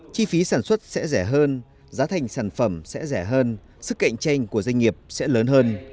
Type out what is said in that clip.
chi phí sản xuất sẽ rẻ hơn giá thành sản phẩm sẽ rẻ hơn sức cạnh tranh của doanh nghiệp sẽ lớn hơn